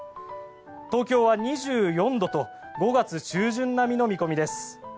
東京は２４度と５月中旬並みの見込みです。